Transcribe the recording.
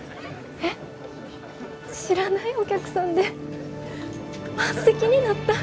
えっ知らないお客さんで満席になった。